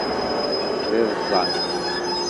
D iẓẓan!